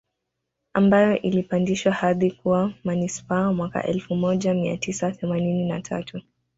Ambayo ilipandishwa hadhi kuwa Manispaa mwaka elfu moja mia tisa themanini na tatu